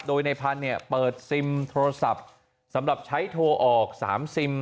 โดยในพันธุ์เนี่ยเปิดซิมโทรศัพท์สำหรับใช้โทรออก๓ซิม